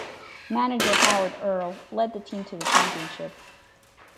Manager Howard Earl led the team to the championship.